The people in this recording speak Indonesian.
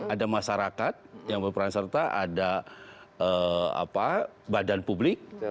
ada masyarakat yang berperan serta ada badan publik